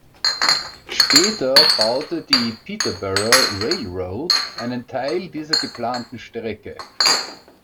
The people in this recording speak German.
Später baute die Peterborough Railroad einen Teil dieser geplanten Strecke.